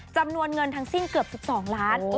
จำนวนเงินทั้งสิ้นเกือบ๑๒ล้าน